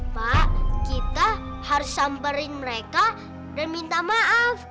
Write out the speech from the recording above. pak kita harus sumperin mereka dan minta maaf